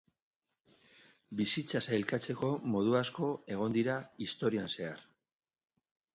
Bizitza sailkatzeko modu asko egon dira historian zehar.